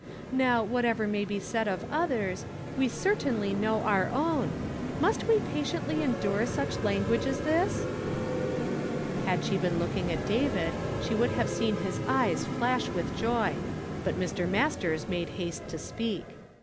Now, whatever may be said of others, we certainly know our own. Must we patiently en dure such language as this ?" Had she been looking at David, she would have seen his eyes flash with joy ; but Mr. Mastei s made haste to speak.